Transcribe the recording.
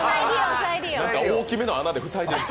大きめの穴で塞いでる。